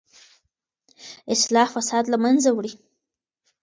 اصلاح فساد له منځه وړي.